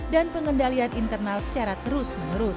dan pengendalian internal secara terus menerus